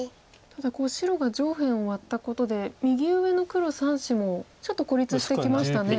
ただ白が上辺をワッたことで右上の黒３子もちょっと孤立してきましたね。